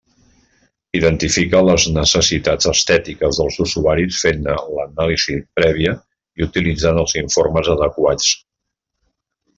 Identifica les necessitats estètiques dels usuaris fent-ne l'anàlisi prèvia i utilitzant els informes adequats.